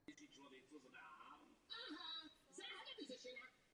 Na každé stěně kaple jsou dva sloupy a jeden sloup v každém nároží.